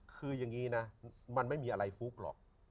คืออย่างนี้นะมันไม่มีอะไรฟุกหรอก